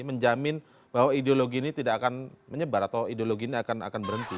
menjamin bahwa ideologi ini tidak akan menyebar atau ideologi ini akan berhenti